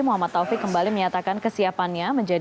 muhammad taufik kembali menyatakan kesiapannya